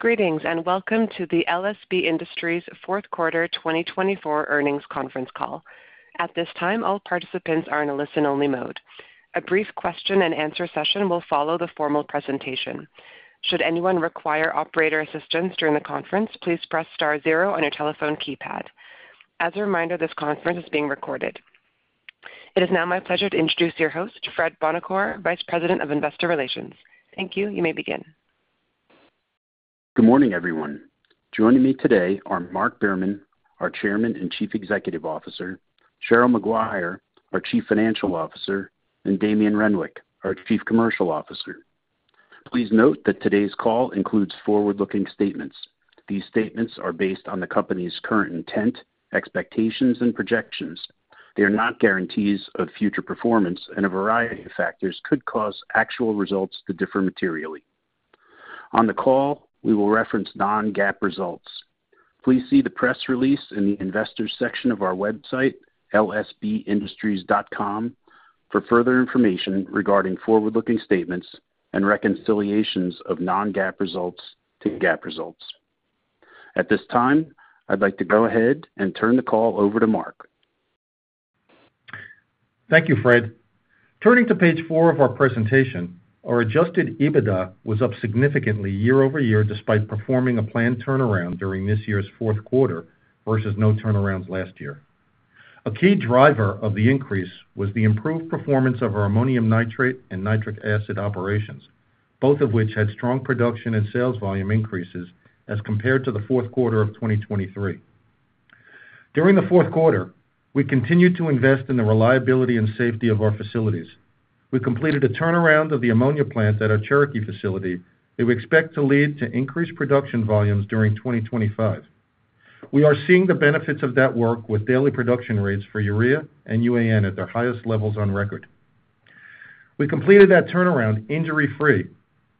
Greetings and welcome to the LSB Industries fourth quarter 2024 earnings conference call. At this time, all participants are in a listen-only mode. A brief question-and-answer session will follow the formal presentation. Should anyone require operator assistance during the conference, please press star zero on your telephone keypad. As a reminder, this conference is being recorded. It is now my pleasure to introduce your host, Fred Buonocore, Vice President of Investor Relations. Thank you. You may begin. Good morning, everyone. Joining me today are Mark Behrman, our Chairman and Chief Executive Officer, Cheryl Maguire, our Chief Financial Officer, and Damien Renwick, our Chief Commercial Officer. Please note that today's call includes forward-looking statements. These statements are based on the company's current intent, expectations, and projections. They are not guarantees of future performance, and a variety of factors could cause actual results to differ materially. On the call, we will reference non-GAAP results. Please see the press release in the investors' section of our website, lsbindustries.com, for further information regarding forward-looking statements and reconciliations of non-GAAP results to GAAP results. At this time, I'd like to go ahead and turn the call over to Mark. Thank you, Fred. Turning to page four of our presentation, our Adjusted EBITDA was up significantly year-over-year despite performing a planned turnaround during this year's fourth quarter versus no turnarounds last year. A key driver of the increase was the improved performance of our ammonium nitrate and nitric acid operations, both of which had strong production and sales volume increases as compared to the fourth quarter of 2023. During the fourth quarter, we continued to invest in the reliability and safety of our facilities. We completed a turnaround of the ammonia plant at our Cherokee facility that we expect to lead to increased production volumes during 2025. We are seeing the benefits of that work with daily production rates for urea and UAN at their highest levels on record. We completed that turnaround injury-free,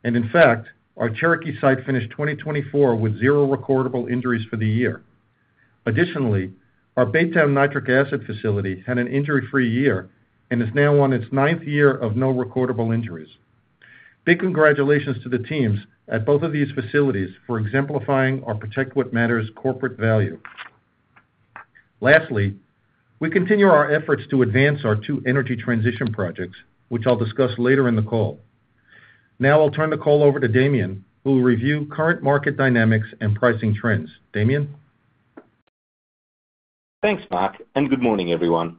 and in fact, our Cherokee site finished 2024 with zero recordable injuries for the year. Additionally, our Baytown nitric acid facility had an injury-free year and is now on its ninth year of no recordable injuries. Big congratulations to the teams at both of these facilities for exemplifying our Protect What Matters corporate value. Lastly, we continue our efforts to advance our two energy transition projects, which I'll discuss later in the call. Now I'll turn the call over to Damien, who will review current market dynamics and pricing trends. Damien? Thanks, Mark, and good morning, everyone.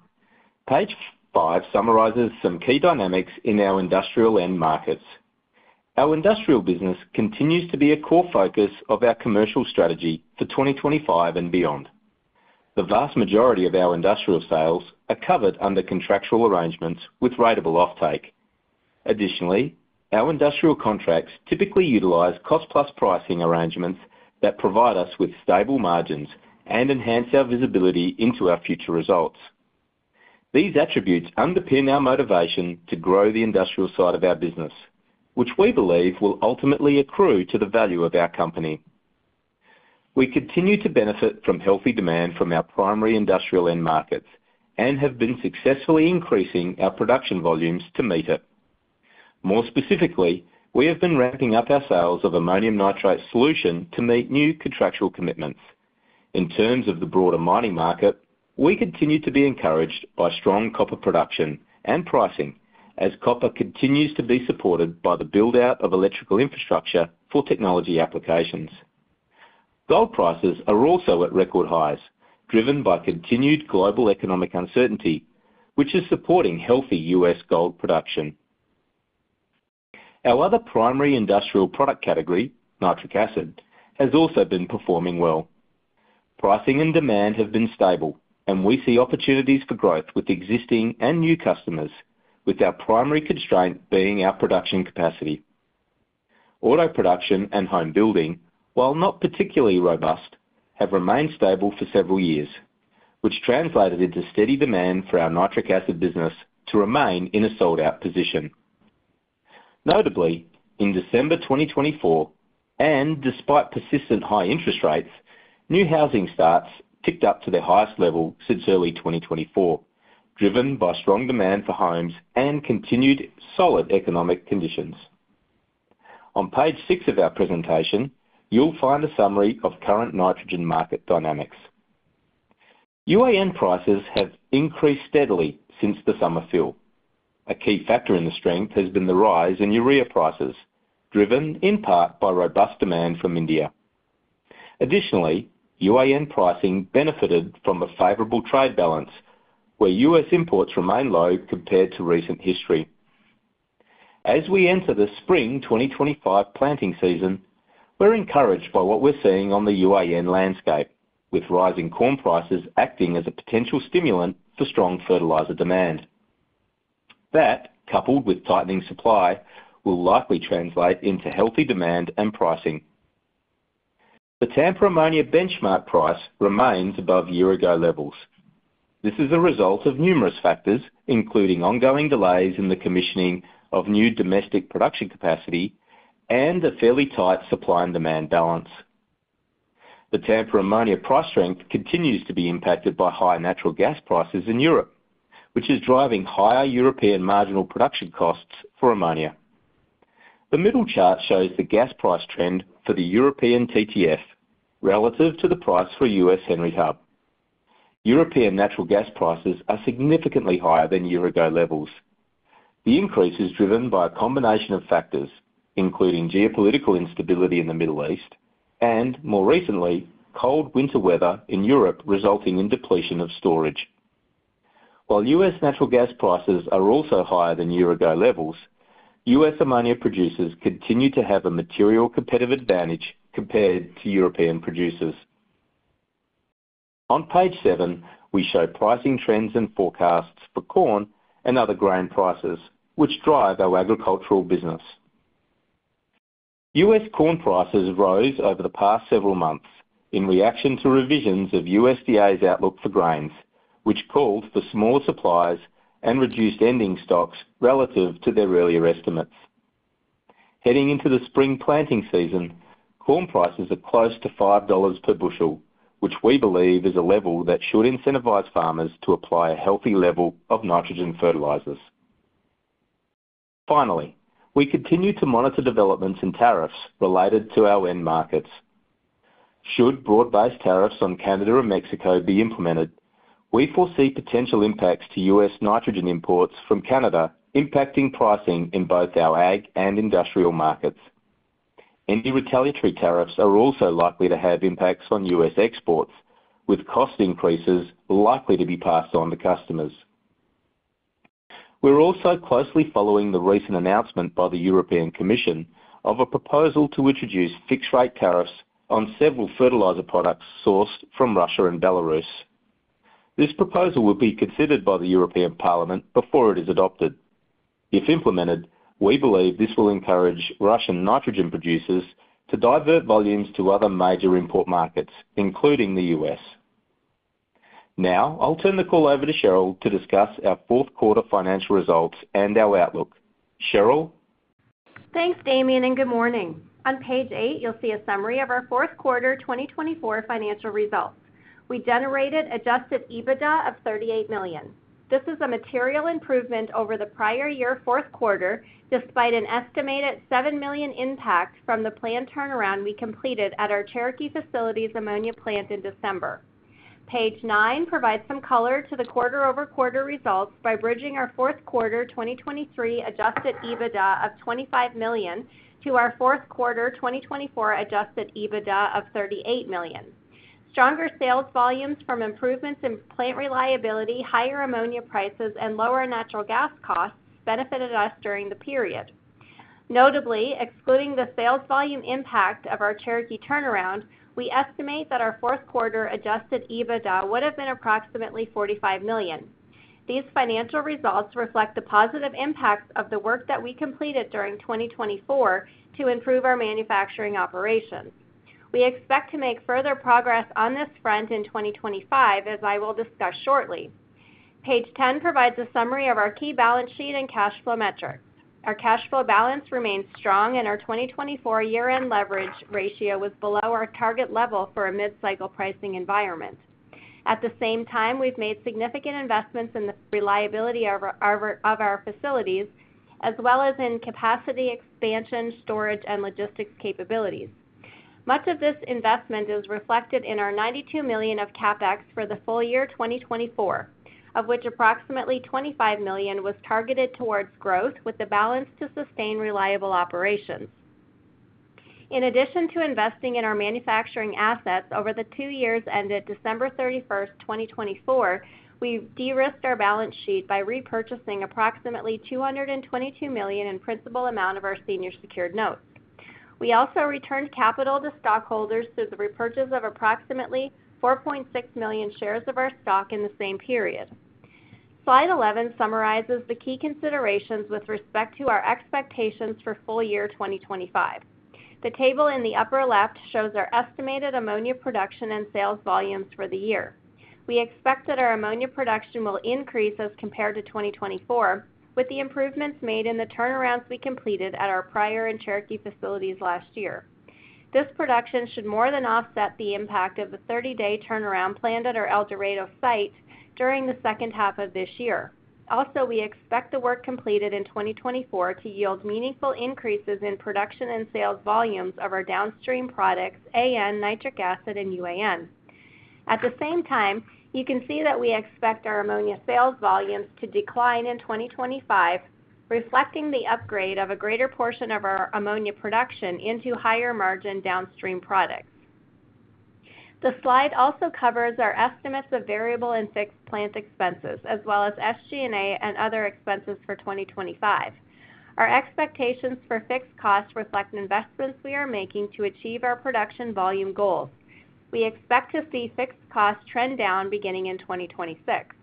Page five summarizes some key dynamics in our industrial end markets. Our industrial business continues to be a core focus of our commercial strategy for 2025 and beyond. The vast majority of our industrial sales are covered under contractual arrangements with ratable offtake. Additionally, our industrial contracts typically utilize cost-plus pricing arrangements that provide us with stable margins and enhance our visibility into our future results. These attributes underpin our motivation to grow the industrial side of our business, which we believe will ultimately accrue to the value of our company. We continue to benefit from healthy demand from our primary industrial end markets and have been successfully increasing our production volumes to meet it. More specifically, we have been ramping up our sales of ammonium nitrate solution to meet new contractual commitments. In terms of the broader mining market, we continue to be encouraged by strong copper production and pricing as copper continues to be supported by the build-out of electrical infrastructure for technology applications. Gold prices are also at record highs, driven by continued global economic uncertainty, which is supporting healthy U.S. gold production. Our other primary industrial product category, nitric acid, has also been performing well. Pricing and demand have been stable, and we see opportunities for growth with existing and new customers, with our primary constraint being our production capacity. Auto production and home building, while not particularly robust, have remained stable for several years, which translated into steady demand for our nitric acid business to remain in a sold-out position. Notably, in December 2024, and despite persistent high interest rates, new housing starts ticked up to their highest level since early 2024, driven by strong demand for homes and continued solid economic conditions. On page six of our presentation, you'll find a summary of current nitrogen market dynamics. UAN prices have increased steadily since the summer fill. A key factor in the strength has been the rise in urea prices, driven in part by robust demand from India. Additionally, UAN pricing benefited from a favorable trade balance, where U.S. imports remain low compared to recent history. As we enter the spring 2025 planting season, we're encouraged by what we're seeing on the UAN landscape, with rising corn prices acting as a potential stimulant for strong fertilizer demand. That, coupled with tightening supply, will likely translate into healthy demand and pricing. The Tampa ammonia benchmark price remains above year-ago levels. This is a result of numerous factors, including ongoing delays in the commissioning of new domestic production capacity and a fairly tight supply and demand balance. The Tampa ammonia price strength continues to be impacted by high natural gas prices in Europe, which is driving higher European marginal production costs for ammonia. The middle chart shows the gas price trend for the European TTF relative to the price for U.S. Henry Hub. European natural gas prices are significantly higher than year-ago levels. The increase is driven by a combination of factors, including geopolitical instability in the Middle East and, more recently, cold winter weather in Europe resulting in depletion of storage. While U.S. natural gas prices are also higher than year-ago levels, U.S. ammonia producers continue to have a material competitive advantage compared to European producers. On page seven, we show pricing trends and forecasts for corn and other grain prices, which drive our agricultural business. U.S. corn prices rose over the past several months in reaction to revisions of USDA's outlook for grains, which called for smaller supplies and reduced ending stocks relative to their earlier estimates. Heading into the spring planting season, corn prices are close to $5 per bushel, which we believe is a level that should incentivize farmers to apply a healthy level of nitrogen fertilizers. Finally, we continue to monitor developments in tariffs related to our end markets. Should broad-based tariffs on Canada and Mexico be implemented, we foresee potential impacts to U.S. nitrogen imports from Canada impacting pricing in both our ag and industrial markets. Any retaliatory tariffs are also likely to have impacts on U.S. exports, with cost increases likely to be passed on to customers. We're also closely following the recent announcement by the European Commission of a proposal to introduce fixed-rate tariffs on several fertilizer products sourced from Russia and Belarus. This proposal will be considered by the European Parliament before it is adopted. If implemented, we believe this will encourage Russian nitrogen producers to divert volumes to other major import markets, including the U.S. Now I'll turn the call over to Cheryl to discuss our fourth quarter financial results and our outlook. Cheryl? Thanks, Damien, and good morning. On page eight, you'll see a summary of our fourth quarter 2024 financial results. We generated Adjusted EBITDA of $38 million. This is a material improvement over the prior year's fourth quarter, despite an estimated $7 million impact from the planned turnaround we completed at our Cherokee facility's ammonia plant in December. Page nine provides some color to the quarter-over-quarter results by bridging our fourth quarter 2023 Adjusted EBITDA of $25 million to our fourth quarter 2024 Adjusted EBITDA of $38 million. Stronger sales volumes from improvements in plant reliability, higher ammonia prices, and lower natural gas costs benefited us during the period. Notably, excluding the sales volume impact of our Cherokee turnaround, we estimate that our fourth quarter Adjusted EBITDA would have been approximately $45 million. These financial results reflect the positive impacts of the work that we completed during 2024 to improve our manufacturing operations. We expect to make further progress on this front in 2025, as I will discuss shortly. Page 10 provides a summary of our key balance sheet and cash flow metrics. Our cash flow balance remains strong, and our 2024 year-end leverage ratio was below our target level for a mid-cycle pricing environment. At the same time, we've made significant investments in the reliability of our facilities, as well as in capacity expansion, storage, and logistics capabilities. Much of this investment is reflected in our $92 million of CapEx for the full year 2024, of which approximately $25 million was targeted towards growth, with the balance to sustain reliable operations. In addition to investing in our manufacturing assets over the two years ended December 31st, 2024, we've de-risked our balance sheet by repurchasing approximately $222 million in principal amount of our senior secured notes. We also returned capital to stockholders through the repurchase of approximately 4.6 million shares of our stock in the same period. Slide 11 summarizes the key considerations with respect to our expectations for full year 2025. The table in the upper left shows our estimated ammonia production and sales volumes for the year. We expect that our ammonia production will increase as compared to 2024, with the improvements made in the turnarounds we completed at our Pryor and Cherokee facilities last year. This production should more than offset the impact of the 30-day turnaround planned at our El Dorado site during the second half of this year. Also, we expect the work completed in 2024 to yield meaningful increases in production and sales volumes of our downstream products, AN, nitric acid, and UAN. At the same time, you can see that we expect our ammonia sales volumes to decline in 2025, reflecting the upgrade of a greater portion of our ammonia production into higher-margin downstream products. The slide also covers our estimates of variable and fixed plant expenses, as well as SG&A and other expenses for 2025. Our expectations for fixed costs reflect investments we are making to achieve our production volume goals. We expect to see fixed costs trend down beginning in 2026.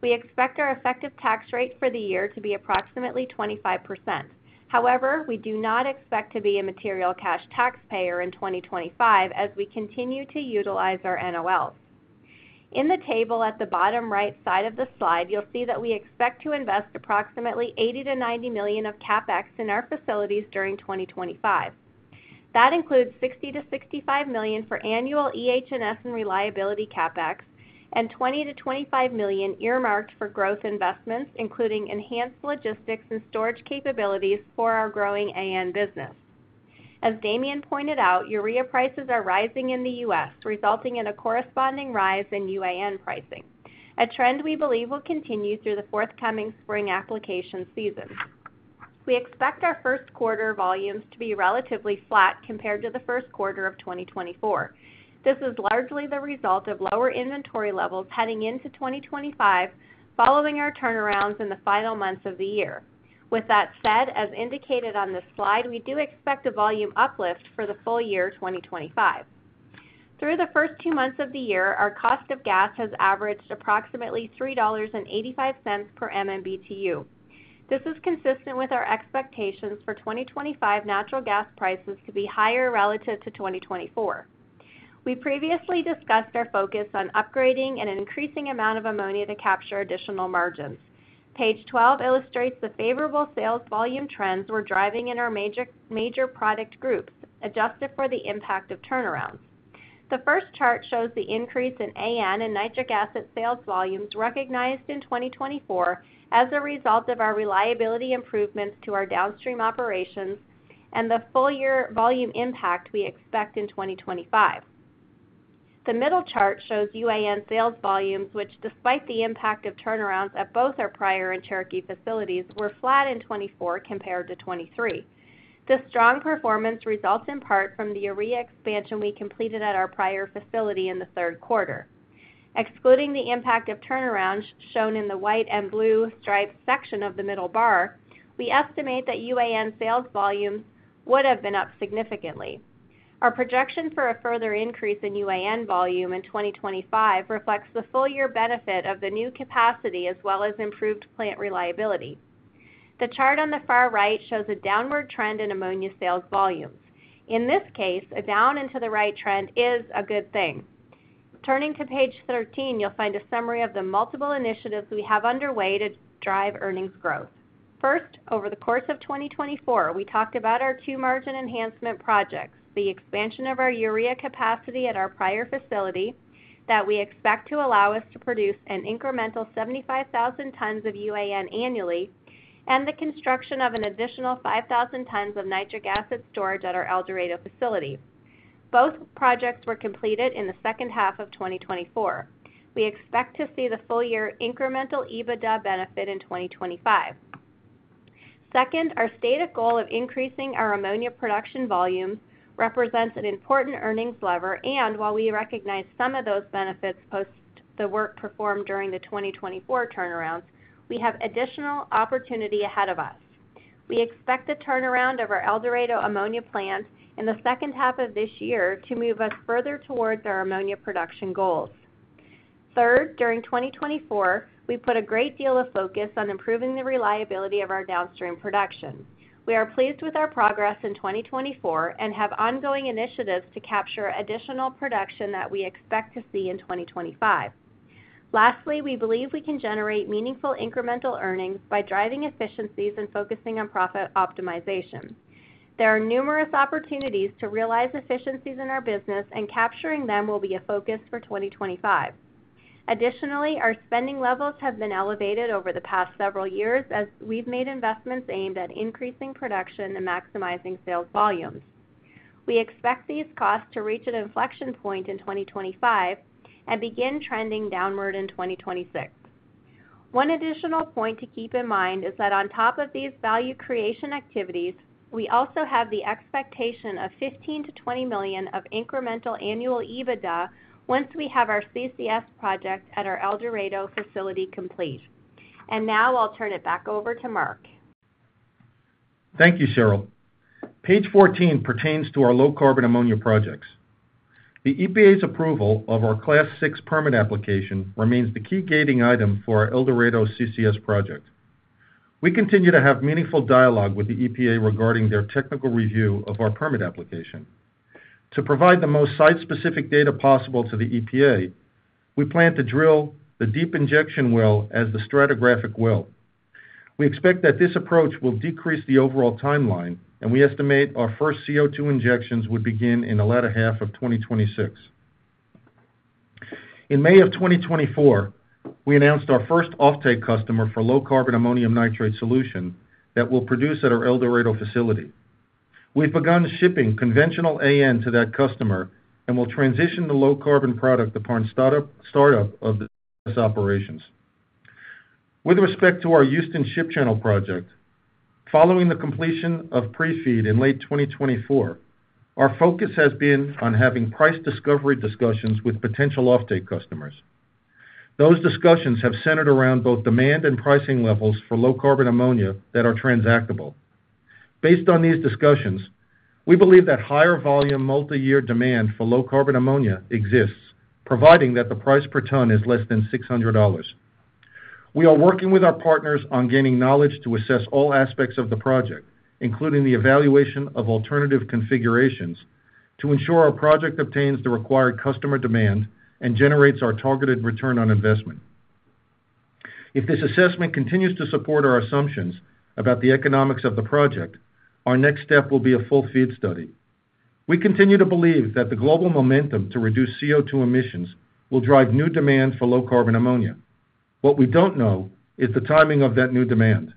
We expect our effective tax rate for the year to be approximately 25%. However, we do not expect to be a material cash taxpayer in 2025 as we continue to utilize our NOLs. In the table at the bottom right side of the slide, you'll see that we expect to invest approximately $80 million-$90 million of CapEx in our facilities during 2025. That includes $60-$65 million for annual EH&S and reliability CapEx and $20 million-$25 million earmarked for growth investments, including enhanced logistics and storage capabilities for our growing AN business. As Damien pointed out, urea prices are rising in the U.S., resulting in a corresponding rise in UAN pricing, a trend we believe will continue through the forthcoming spring application season. We expect our first quarter volumes to be relatively flat compared to the first quarter of 2024. This is largely the result of lower inventory levels heading into 2025, following our turnarounds in the final months of the year. With that said, as indicated on this slide, we do expect a volume uplift for the full year 2025. Through the first two months of the year, our cost of gas has averaged approximately $3.85 per MMBtu. This is consistent with our expectations for 2025 natural gas prices to be higher relative to 2024. We previously discussed our focus on upgrading an increasing amount of ammonia to capture additional margins. Page 12 illustrates the favorable sales volume trends we're driving in our major product groups, adjusted for the impact of turnarounds. The first chart shows the increase in AN and nitric acid sales volumes recognized in 2024 as a result of our reliability improvements to our downstream operations and the full year volume impact we expect in 2025. The middle chart shows UAN sales volumes, which, despite the impact of turnarounds at both our Pryor and Cherokee facilities, were flat in 2024 compared to 2023. This strong performance results in part from the urea expansion we completed at our Pryor facility in the third quarter. Excluding the impact of turnarounds shown in the white and blue striped section of the middle bar, we estimate that UAN sales volumes would have been up significantly. Our projection for a further increase in UAN volume in 2025 reflects the full year benefit of the new capacity as well as improved plant reliability. The chart on the far right shows a downward trend in ammonia sales volumes. In this case, a down to the right trend is a good thing. Turning to page 13, you'll find a summary of the multiple initiatives we have underway to drive earnings growth. First, over the course of 2024, we talked about our two margin enhancement projects, the expansion of our urea capacity at our Pryor facility that we expect to allow us to produce an incremental 75,000 tons of UAN annually, and the construction of an additional 5,000 tons of nitric acid storage at our El Dorado facility. Both projects were completed in the second half of 2024. We expect to see the full year incremental EBITDA benefit in 2025. Second, our stated goal of increasing our ammonia production volumes represents an important earnings lever, and while we recognize some of those benefits post the work performed during the 2024 turnarounds, we have additional opportunity ahead of us. We expect the turnaround of our El Dorado ammonia plant in the second half of this year to move us further towards our ammonia production goals. Third, during 2024, we put a great deal of focus on improving the reliability of our downstream production. We are pleased with our progress in 2024 and have ongoing initiatives to capture additional production that we expect to see in 2025. Lastly, we believe we can generate meaningful incremental earnings by driving efficiencies and focusing on profit optimization. There are numerous opportunities to realize efficiencies in our business, and capturing them will be a focus for 2025. Additionally, our spending levels have been elevated over the past several years as we've made investments aimed at increasing production and maximizing sales volumes. We expect these costs to reach an inflection point in 2025 and begin trending downward in 2026. One additional point to keep in mind is that on top of these value creation activities, we also have the expectation of $15 million-$20 million of incremental annual EBITDA once we have our CCS project at our El Dorado facility complete, and now I'll turn it back over to Mark. Thank you, Cheryl. Page 14 pertains to our low-carbon ammonia projects. The EPA's approval of our Class VI permit application remains the key gating item for our El Dorado CCS project. We continue to have meaningful dialogue with the EPA regarding their technical review of our permit application. To provide the most site-specific data possible to the EPA, we plan to drill the deep injection well as the stratigraphic well. We expect that this approach will decrease the overall timeline, and we estimate our first CO2 injections would begin in the latter half of 2026. In May of 2024, we announced our first offtake customer for low-carbon ammonium nitrate solution that we'll produce at our El Dorado facility. We've begun shipping conventional AN to that customer and will transition the low-carbon product upon start-up of these operations. With respect to our Houston Ship Channel project, following the completion of Pre-FEED in late 2024, our focus has been on having price discovery discussions with potential offtake customers. Those discussions have centered around both demand and pricing levels for low-carbon ammonia that are transactable. Based on these discussions, we believe that higher volume multi-year demand for low-carbon ammonia exists, providing that the price per ton is less than $600. We are working with our partners on gaining knowledge to assess all aspects of the project, including the evaluation of alternative configurations, to ensure our project obtains the required customer demand and generates our targeted return on investment. If this assessment continues to support our assumptions about the economics of the project, our next step will be a full FEED study. We continue to believe that the global momentum to reduce CO2 emissions will drive new demand for low-carbon ammonia. What we don't know is the timing of that new demand.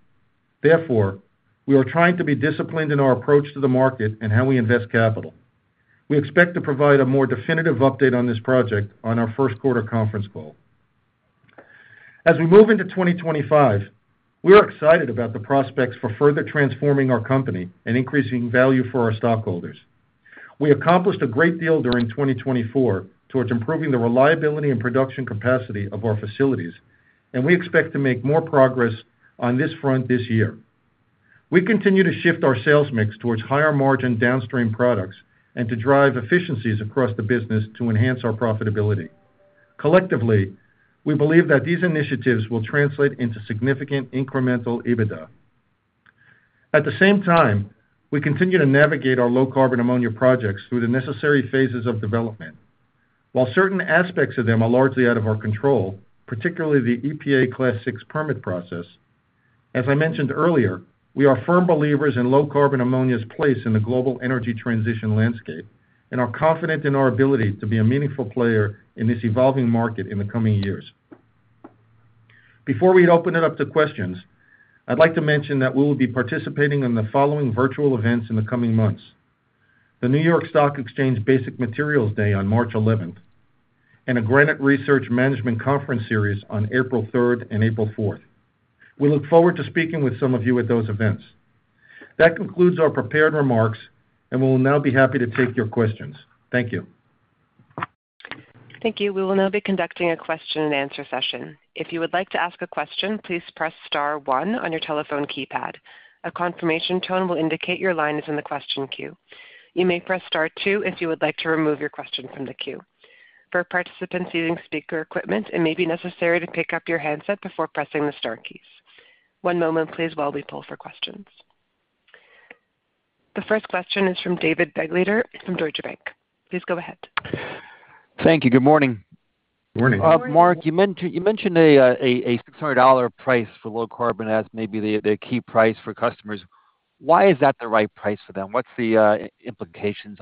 Therefore, we are trying to be disciplined in our approach to the market and how we invest capital. We expect to provide a more definitive update on this project on our first quarter conference call. As we move into 2025, we are excited about the prospects for further transforming our company and increasing value for our stockholders. We accomplished a great deal during 2024 towards improving the reliability and production capacity of our facilities, and we expect to make more progress on this front this year. We continue to shift our sales mix towards higher-margin downstream products and to drive efficiencies across the business to enhance our profitability. Collectively, we believe that these initiatives will translate into significant incremental EBITDA. At the same time, we continue to navigate our low-carbon ammonia projects through the necessary phases of development. While certain aspects of them are largely out of our control, particularly the EPA Class VI permit process, as I mentioned earlier, we are firm believers in low-carbon ammonia's place in the global energy transition landscape and are confident in our ability to be a meaningful player in this evolving market in the coming years. Before we open it up to questions, I'd like to mention that we will be participating in the following virtual events in the coming months: the New York Stock Exchange Basic Materials Day on March 11th, and a Granite Research Management Conference Series on April 3rd and April 4th. We look forward to speaking with some of you at those events. That concludes our prepared remarks, and we will now be happy to take your questions. Thank you. Thank you. We will now be conducting a question-and-answer session. If you would like to ask a question, please press star one on your telephone keypad. A confirmation tone will indicate your line is in the question queue. You may press star two if you would like to remove your question from the queue. For participants using speaker equipment, it may be necessary to pick up your handset before pressing the star keys. One moment, please, while we pull for questions. The first question is from David Begleiter from Deutsche Bank. Please go ahead. Thank you. Good morning. Good morning. Mark, you mentioned a $600 price for low-carbon as maybe the key price for customers. Why is that the right price for them? What's the implications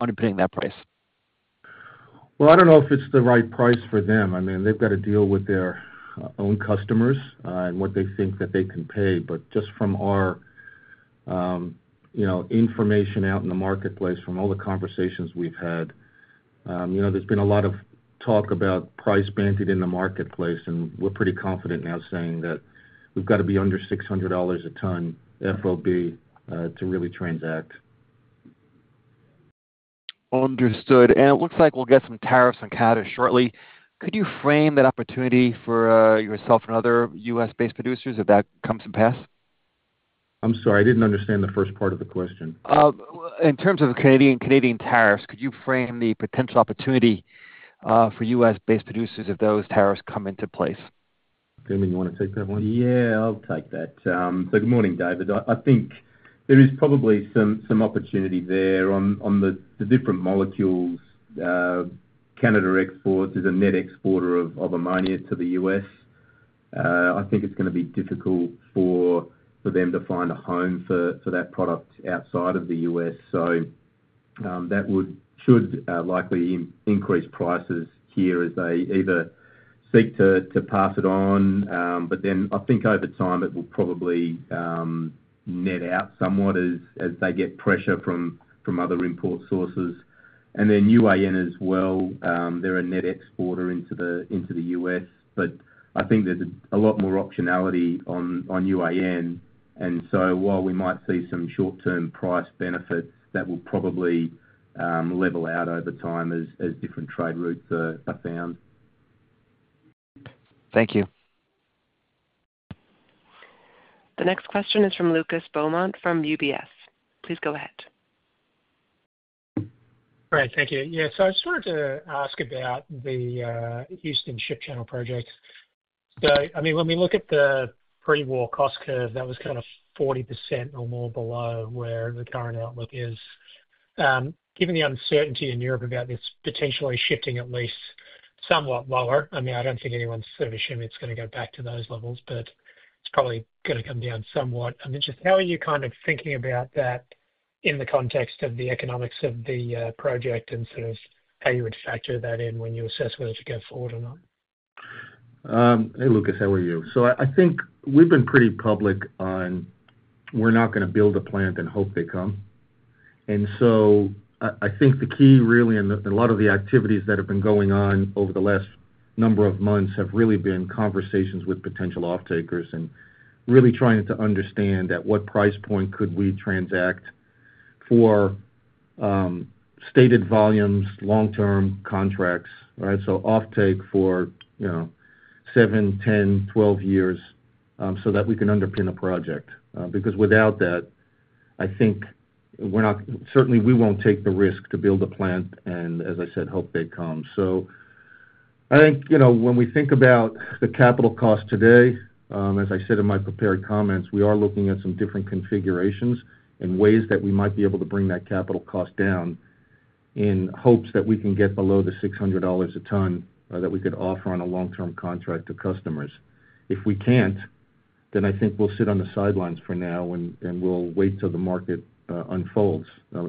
underpinning that price? I don't know if it's the right price for them. I mean, they've got to deal with their own customers and what they think that they can pay. But just from our information out in the marketplace, from all the conversations we've had, there's been a lot of talk about price banding in the marketplace, and we're pretty confident now saying that we've got to be under $600 a ton FOB to really transact. Understood, and it looks like we'll get some tariffs on Canada shortly. Could you frame that opportunity for yourself and other U.S.-based producers if that comes to pass? I'm sorry. I didn't understand the first part of the question. In terms of Canadian tariffs, could you frame the potential opportunity for U.S.-based producers if those tariffs come into place? Damien, you want to take that one? Yeah, I'll take that. So good morning, David. I think there is probably some opportunity there on the different molecules. Canada is a net exporter of ammonia to the U.S. I think it's going to be difficult for them to find a home for that product outside of the U.S. So that should likely increase prices here as they either seek to pass it on. But then I think over time it will probably net out somewhat as they get pressure from other import sources. And then UAN as well. They're a net exporter into the U.S., but I think there's a lot more optionality on UAN. And so while we might see some short-term price benefits, that will probably level out over time as different trade routes are found. Thank you. The next question is from Lucas Beaumont from UBS. Please go ahead. All right. Thank you. Yeah. So I just wanted to ask about the Houston Ship Channel project. So I mean, when we look at the pre-war cost curve, that was kind of 40% or more below where the current outlook is. Given the uncertainty in Europe about this potentially shifting at least somewhat lower, I mean, I don't think anyone's sort of assuming it's going to go back to those levels, but it's probably going to come down somewhat. I'm interested. How are you kind of thinking about that in the context of the economics of the project and sort of how you would factor that in when you assess whether to go forward or not? Hey, Lucas. How are you? So I think we've been pretty public on we're not going to build a plant and hope they come. And so I think the key really in a lot of the activities that have been going on over the last number of months have really been conversations with potential offtakers and really trying to understand at what price point could we transact for stated volumes, long-term contracts, right? So offtake for seven, 10, 12 years so that we can underpin a project. Because without that, I think certainly we won't take the risk to build a plant and, as I said, hope they come. So I think when we think about the capital cost today, as I said in my prepared comments, we are looking at some different configurations and ways that we might be able to bring that capital cost down in hopes that we can get below the $600 a ton that we could offer on a long-term contract to customers. If we can't, then I think we'll sit on the sidelines for now and we'll wait till the market unfolds.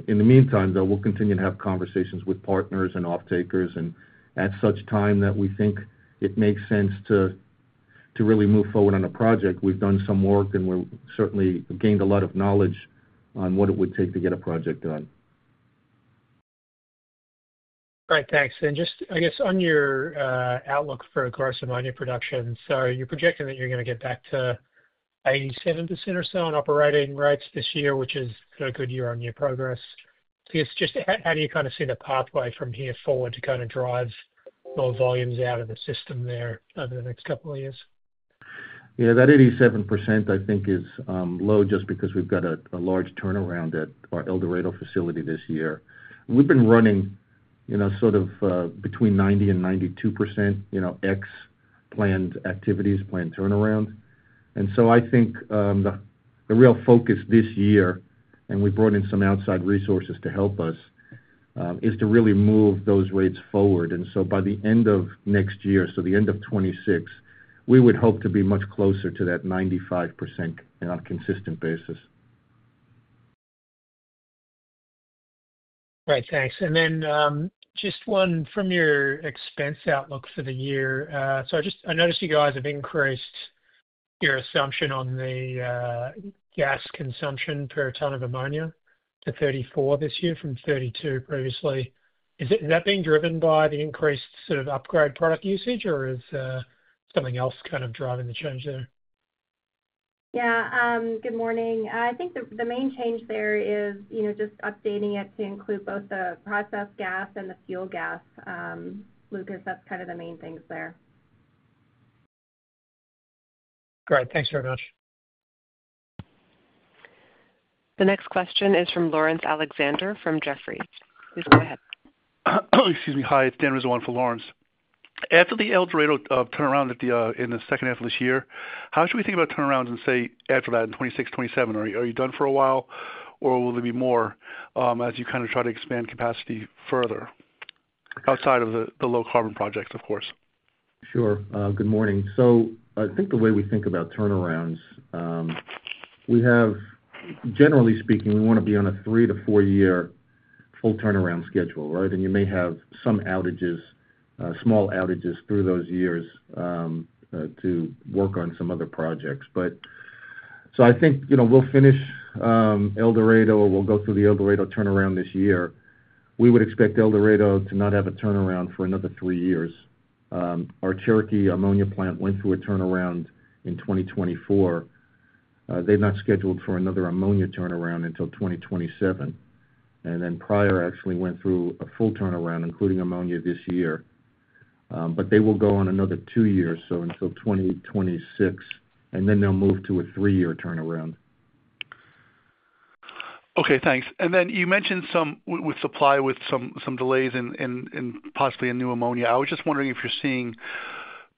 In the meantime, though, we'll continue to have conversations with partners and off-takers. And at such time that we think it makes sense to really move forward on a project, we've done some work and we've certainly gained a lot of knowledge on what it would take to get a project done. All right. Thanks. And just, I guess, on your outlook for growth ammonia production, so you're projecting that you're going to get back to 87% or so on operating rates this year, which is a good year on year progress. So just how do you kind of see the pathway from here forward to kind of drive more volumes out of the system there over the next couple of years? Yeah. That 87% I think is low just because we've got a large turnaround at our El Dorado facility this year. We've been running sort of between 90% and 92% ex planned activities, planned turnaround. And so I think the real focus this year, and we brought in some outside resources to help us, is to really move those rates forward. And so by the end of next year, so the end of 2026, we would hope to be much closer to that 95% on a consistent basis. Right. Thanks, and then just one from your expense outlook for the year, so I noticed you guys have increased your assumption on the gas consumption per ton of ammonia to 34 this year from 32 previously. Is that being driven by the increased sort of upgrade product usage, or is something else kind of driving the change there? Yeah. Good morning. I think the main change there is just updating it to include both the processed gas and the fuel gas. Lucas, that's kind of the main things there. Great. Thanks very much. The next question is from Laurence Alexander from Jefferies. Please go ahead. Excuse me. Hi. It's Daniel Rizzo for Laurence. After the El Dorado turnaround in the second half of this year, how should we think about turnarounds and say after that in 2026, 2027? Are you done for a while, or will there be more as you kind of try to expand capacity further outside of the low carbon projects, of course? Sure. Good morning. So I think the way we think about turnarounds, we have, generally speaking, we want to be on a three to four-year full turnaround schedule, right? And you may have some outages, small outages through those years to work on some other projects. But so I think we'll finish El Dorado, or we'll go through the El Dorado turnaround this year. We would expect El Dorado to not have a turnaround for another three years. Our Cherokee ammonia plant went through a turnaround in 2024. They've not scheduled for another ammonia turnaround until 2027. And then Pryor actually went through a full turnaround, including ammonia, this year. But they will go on another two years, so until 2026, and then they'll move to a three-year turnaround. Okay. Thanks. And then you mentioned some supply with some delays and possibly a new ammonia. I was just wondering if you're seeing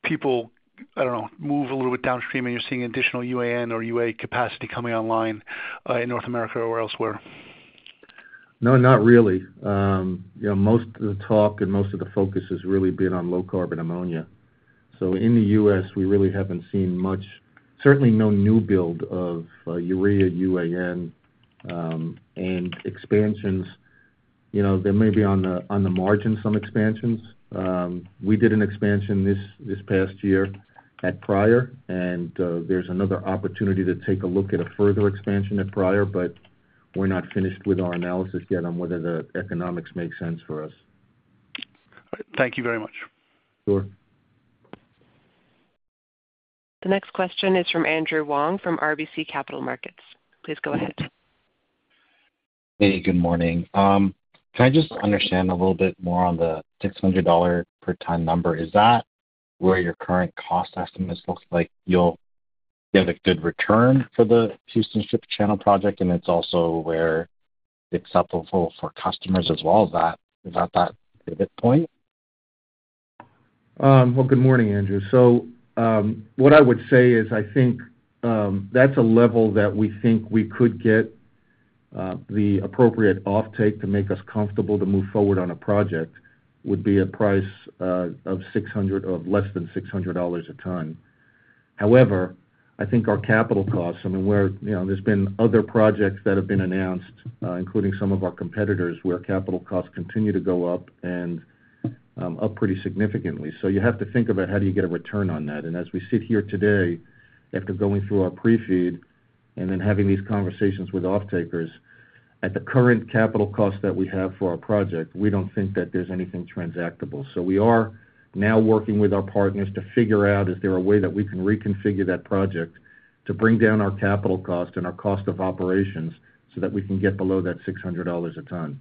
people, I don't know, move a little bit downstream and you're seeing additional UAN or AN capacity coming online in North America or elsewhere? No, not really. Most of the talk and most of the focus has really been on low carbon ammonia. So in the U.S., we really haven't seen much, certainly no new build of urea, UAN, and expansions. There may be on the margin some expansions. We did an expansion this past year at Pryor, and there's another opportunity to take a look at a further expansion at Pryor, but we're not finished with our analysis yet on whether the economics make sense for us. All right. Thank you very much. Sure. The next question is from Andrew Wong from RBC Capital Markets. Please go ahead. Hey, good morning. Can I just understand a little bit more on the $600 per ton number? Is that where your current cost estimates look like you'll get a good return for the Houston Ship Channel project, and it's also where it's acceptable for customers as well as that? Is that that pivot point? Well, good morning, Andrew. So what I would say is I think that's a level that we think we could get the appropriate offtake to make us comfortable to move forward on a project would be a price of less than $600 a ton. However, I think our capital costs, I mean, there's been other projects that have been announced, including some of our competitors, where capital costs continue to go up and up pretty significantly. So you have to think about how do you get a return on that. And as we sit here today, after going through our pre-FEED and then having these conversations with offtakers, at the current capital cost that we have for our project, we don't think that there's anything transactable. So we are now working with our partners to figure out, is there a way that we can reconfigure that project to bring down our capital cost and our cost of operations so that we can get below that $600 a ton?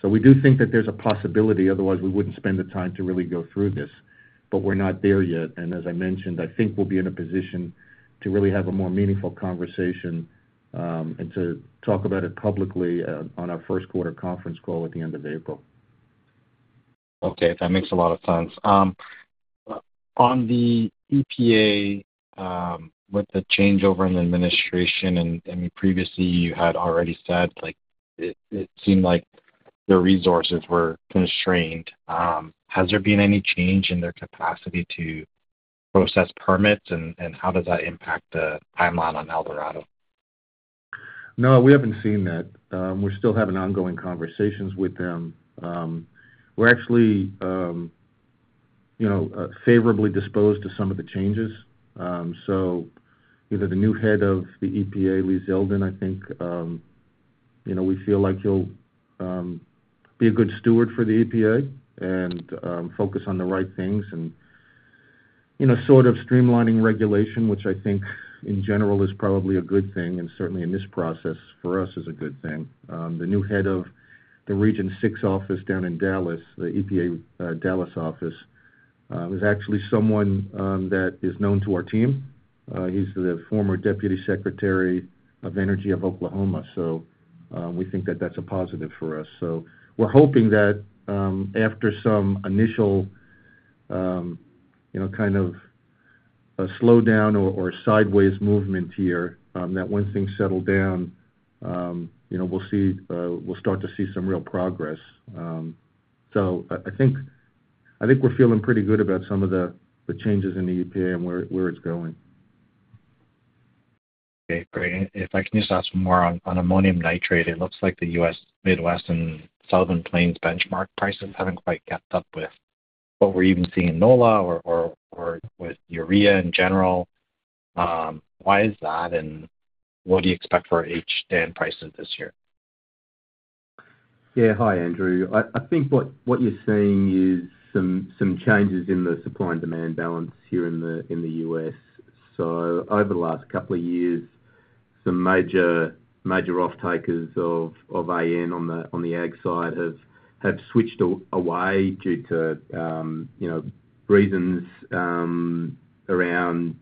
So we do think that there's a possibility. Otherwise, we wouldn't spend the time to really go through this, but we're not there yet. And as I mentioned, I think we'll be in a position to really have a more meaningful conversation and to talk about it publicly on our first quarter conference call at the end of April. Okay. That makes a lot of sense. On the EPA, with the changeover in the administration, and previously you had already said it seemed like their resources were constrained. Has there been any change in their capacity to process permits, and how does that impact the timeline on El Dorado? No, we haven't seen that. We're still having ongoing conversations with them. We're actually favorably disposed to some of the changes, so either the new head of the EPA, Lee Zeldin, I think we feel like he'll be a good steward for the EPA and focus on the right things and sort of streamlining regulation, which I think in general is probably a good thing, and certainly in this process for us is a good thing. The new head of the Region 6 office down in Dallas, the EPA Dallas office, is actually someone that is known to our team. He's the former Deputy Secretary of Energy of Oklahoma, so we think that that's a positive for us, so we're hoping that after some initial kind of a slowdown or sideways movement here, that when things settle down, we'll start to see some real progress. So I think we're feeling pretty good about some of the changes in the EPA and where it's going. Okay. Great. If I can just ask more on ammonium nitrate, it looks like the U.S. Midwest and Southern Plains benchmark prices haven't quite kept up with what we're even seeing in NOLA or with urea in general. Why is that, and what do you expect for HDAN prices this year? Yeah. Hi, Andrew. I think what you're seeing is some changes in the supply and demand balance here in the U.S. So over the last couple of years, some major off-takers of AN on the ag side have switched away due to reasons around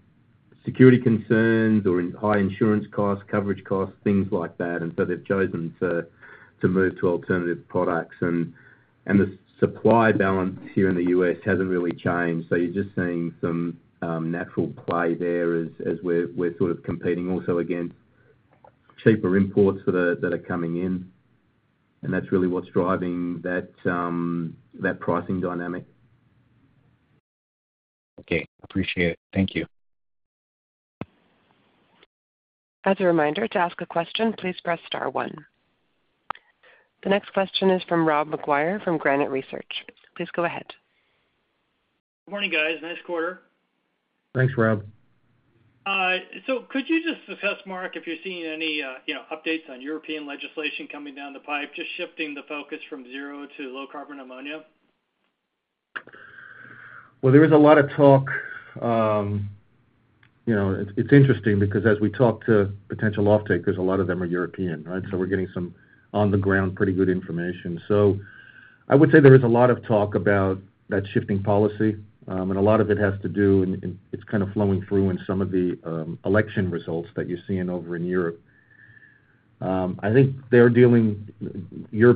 security concerns or high insurance costs, coverage costs, things like that. And so they've chosen to move to alternative products. And the supply balance here in the U.S. hasn't really changed. So you're just seeing some natural play there as we're sort of competing also against cheaper imports that are coming in. And that's really what's driving that pricing dynamic. Okay. Appreciate it. Thank you. As a reminder, to ask a question, please press star one. The next question is from Rob McGuire from Granite Research. Please go ahead. Morning, guys. Nice quarter. Thanks, Rob. So could you just assess, Mark, if you're seeing any updates on European legislation coming down the pipe, just shifting the focus from zero to low carbon ammonia? There is a lot of talk. It's interesting because as we talk to potential off-takers, a lot of them are European, right? So we're getting some on-the-ground pretty good information. So I would say there is a lot of talk about that shifting policy. And a lot of it has to do, and it's kind of flowing through in some of the election results that you're seeing over in Europe. I think Europe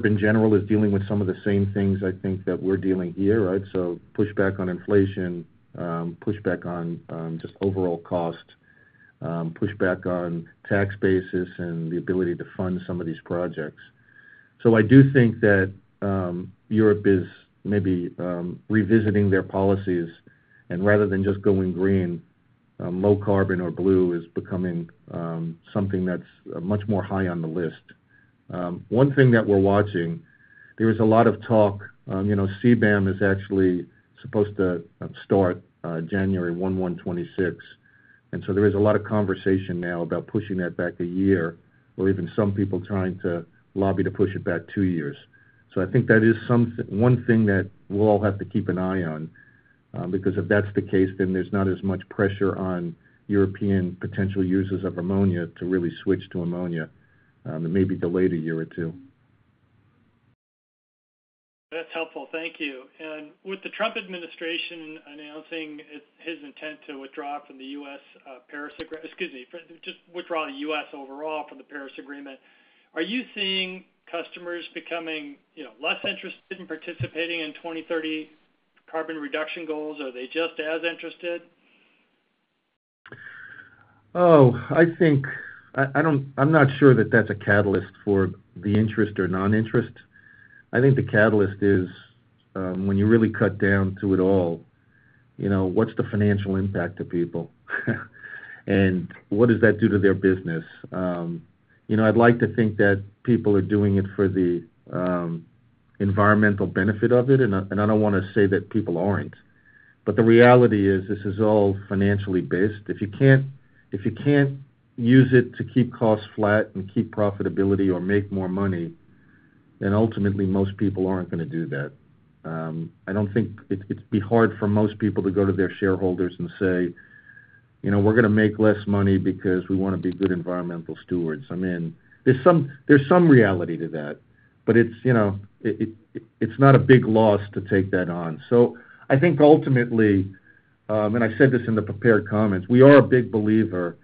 in general is dealing with some of the same things I think that we're dealing here, right? So pushback on inflation, pushback on just overall cost, pushback on tax basis, and the ability to fund some of these projects. So I do think that Europe is maybe revisiting their policies. And rather than just going green, low carbon or blue is becoming something that's much more high on the list. One thing that we're watching, there is a lot of talk. CBAM is actually supposed to start January 1st, 2026. And so there is a lot of conversation now about pushing that back a year or even some people trying to lobby to push it back two years. So I think that is one thing that we'll all have to keep an eye on because if that's the case, then there's not as much pressure on European potential users of ammonia to really switch to ammonia. It may be delayed a year or two. That's helpful. Thank you. And with the Trump administration announcing his intent to withdraw from the U.S. Paris Agreement, excuse me, just withdraw the U.S. overall from the Paris Agreement, are you seeing customers becoming less interested in participating in 2030 carbon reduction goals, or are they just as interested? I'm not sure that that's a catalyst for the interest or non-interest. I think the catalyst is when you really cut down to it all, what's the financial impact to people, and what does that do to their business? I'd like to think that people are doing it for the environmental benefit of it. And I don't want to say that people aren't. But the reality is this is all financially based. If you can't use it to keep costs flat and keep profitability or make more money, then ultimately most people aren't going to do that. I don't think it'd be hard for most people to go to their shareholders and say, "We're going to make less money because we want to be good environmental stewards." I mean, there's some reality to that, but it's not a big loss to take that on. So I think ultimately, and I said this in the prepared comments, we are a big believer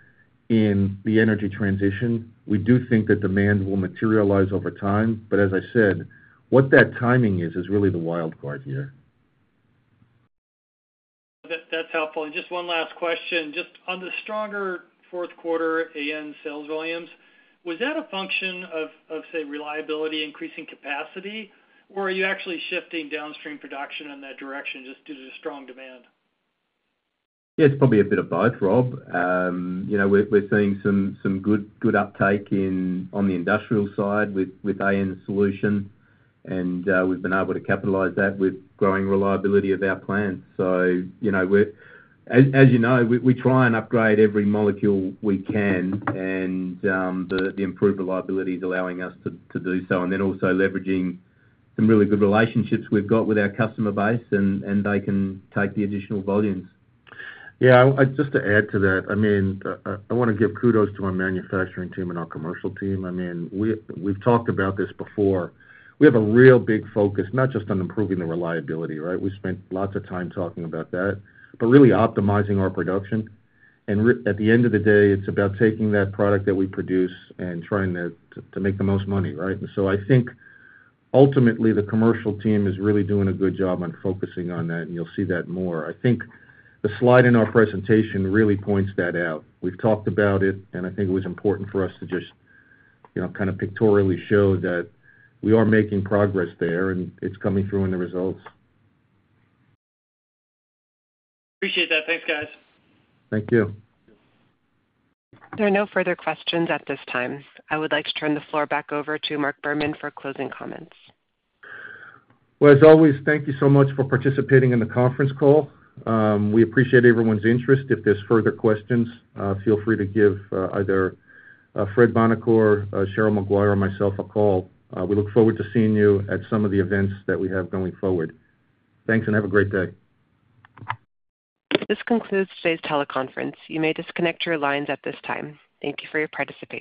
in the energy transition. We do think that demand will materialize over time. But as I said, what that timing is, is really the wild card here. That's helpful. And just one last question. Just on the stronger fourth quarter AN sales volumes, was that a function of, say, reliability, increasing capacity, or are you actually shifting downstream production in that direction just due to strong demand? Yeah, it's probably a bit of both, Rob. We're seeing some good uptake on the industrial side with AN solution, and we've been able to capitalize that with growing reliability of our plants. So as you know, we try and upgrade every molecule we can, and the improved reliability is allowing us to do so. And then also leveraging some really good relationships we've got with our customer base, and they can take the additional volumes. Yeah. Just to add to that, I mean, I want to give kudos to our manufacturing team and our commercial team. I mean, we've talked about this before. We have a real big focus, not just on improving the reliability, right? We spent lots of time talking about that, but really optimizing our production. And at the end of the day, it's about taking that product that we produce and trying to make the most money, right? And so I think ultimately the commercial team is really doing a good job on focusing on that, and you'll see that more. I think the slide in our presentation really points that out. We've talked about it, and I think it was important for us to just kind of pictorially show that we are making progress there, and it's coming through in the results. Appreciate that. Thanks, guys. Thank you. There are no further questions at this time. I would like to turn the floor back over to Mark Behrman for closing comments. As always, thank you so much for participating in the conference call. We appreciate everyone's interest. If there's further questions, feel free to give either Fred Buonocore, Cheryl Maguire, or myself a call. We look forward to seeing you at some of the events that we have going forward. Thanks, and have a great day. This concludes today's teleconference. You may disconnect your lines at this time. Thank you for your participation.